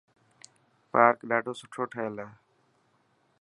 پارڪ ڏاڌو سٺو ٺهيل هي.